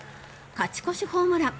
勝ち越しホームラン。